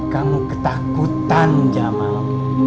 kamu ketakutan jamal